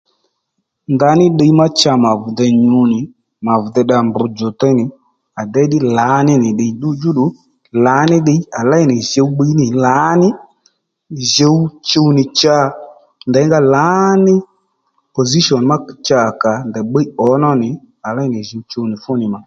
Ndaní ddiy ma cha mà vi dey nyǔ nì mà vi dey dda mbr djò tey nì à déy ddí lǎní nì ddiy ddudjú ddu lǎní ddiy à léy nì djùw bbíy nì lǎní djùw chuw nì cha ndèyngá lǎní position ma cha à kà ndèy bbíy ǒ nó nì à léy nì djùw chuw nì fú nì mà